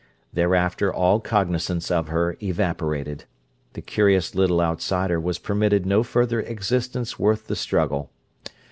Thereafter, all cognizance of her evaporated: the curious little outsider was permitted no further existence worth the struggle.